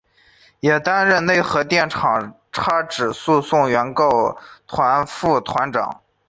也担任川内核电厂差止诉讼原告团副团长。